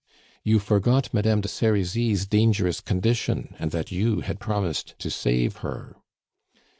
"You forgot Madame de Serizy's dangerous condition, and that you had promised to save her."